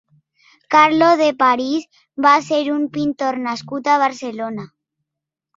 Carlo de Paris va ser un pintor nascut a Barcelona.